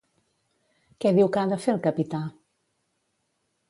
Què diu que ha de fer el capità?